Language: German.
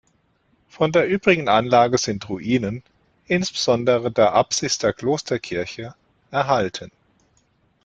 Von der übrigen Anlage sind Ruinen, insbesondere der Apsis der Klosterkirche, erhalten.